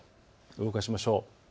動かしましょう。